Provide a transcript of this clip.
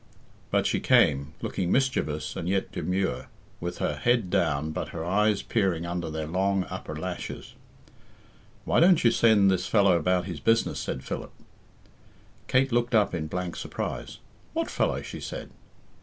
But she came, looking mischievous and yet demure, with her head down but her eyes peering under their long upper lashes. "Why don't you send this fellow about his business?" said Philip. Kate looked up in blank surprise. "What fellow?" she said.